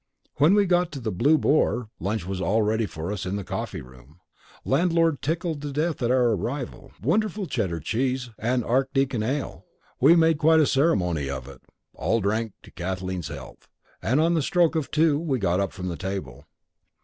When we got to the Blue Boar, lunch was all ready for us in the coffee room. Landlord tickled to death at our arrival. Wonderful cheddar cheese, and archdeacon ale. We made quite a ceremony of it all drank Kathleen's health, and on the stroke of two we got up from the table.